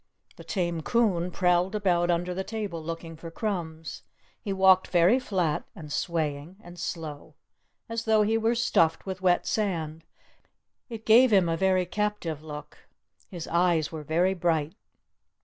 The tame coon prowled about under the table looking for crumbs. He walked very flat and swaying and slow, as tho he were stuffed with wet sand. It gave him a very captive look. His eyes were very bright.